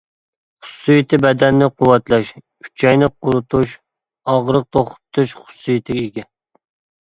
خۇسۇسىيىتى بەدەننى قۇۋۋەتلەش، ئۈچەينى قۇرۇتۇش، ئاغرىق توختىتىش خۇسۇسىيىتىگە ئىگە.